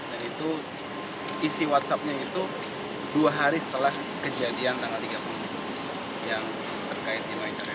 dan itu isi whatsappnya itu dua hari setelah kejadian tanggal tiga puluh yang terkait di lain lain